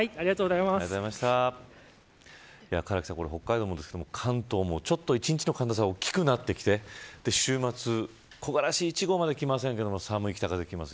唐木さん、北海道も関東も１日の寒暖差が大きくなって週末木枯らし１号まで、きませんけど寒い北風がきます。